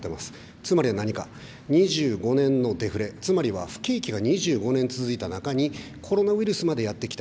つまりは何か、２５年のデフレ、つまりは不景気が２５年続いた中に、コロナウイルスまでやって来た。